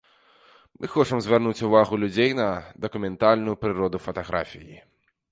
Мы хочам звярнуць увагу людзей на дакументальную прыроду фатаграфіі.